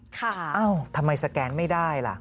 เอ้าทำไมสแกนไม่ได้ล่ะ